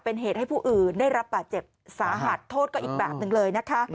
เป็นเหตุให้ผู้อื่นได้รับบาดเจ็บสาหัสโทษก็อีกแบบหนึ่งเลยนะคะ